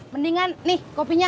mendingan nih kopinya